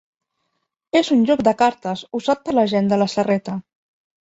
És un joc de cartes usat per la gent de la Serreta.